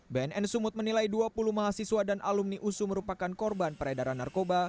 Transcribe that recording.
bnn sumut menilai dua puluh mahasiswa dan alumni usu merupakan korban peredaran narkoba